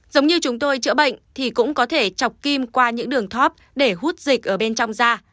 giống như chúng tôi chữa bệnh thì cũng có thể chọc kim qua những đường thóp để hút dịch ở bên trong da